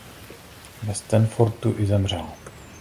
Ve Stanfordu i zemřel.